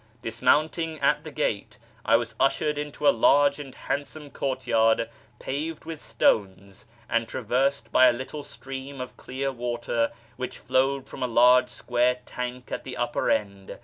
Dismounting at the gate, I was ushered into a large and handsome courtyard paved with stones and traversed by a little stream of clear water which flowed from a large square tank at the upper end.